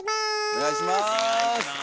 お願いします。